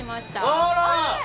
あら！